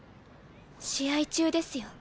試合中ですよ。